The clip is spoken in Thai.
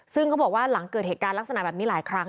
ซึ่งเขาบอกว่าหลังเกิดเหตุการณ์ลักษณะแบบนี้หลายครั้ง